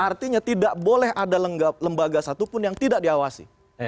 artinya tidak boleh ada lembaga satupun yang tidak diawasi